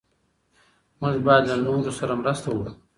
موږ باید له نورو سره مرسته وکړو.